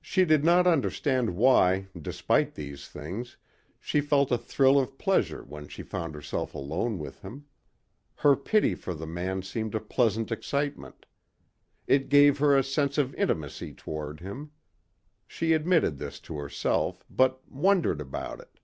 She did not understand why, despite these things, she felt a thrill of pleasure when she found herself alone with him. Her pity for the man seemed a pleasant excitement. It gave her a sense of intimacy toward him. She admitted this to herself but wondered about it.